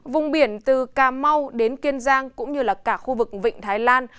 vùng biển từ cà mau đến kiên giang cũng như là cả khu vực vịnh thái lan